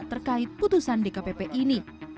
terkait keputusan dkpp ini